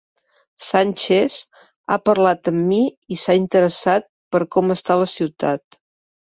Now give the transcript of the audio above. Sánchez ha parlat amb mi i s’ha interessat per com està la ciutat.